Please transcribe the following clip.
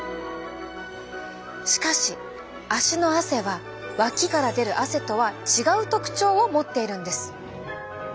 しかし足の汗は脇から出る汗とは違う特徴を持っているんです。